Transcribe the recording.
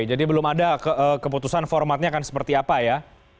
jadi belum ada keputusan formatnya akan seperti apa ya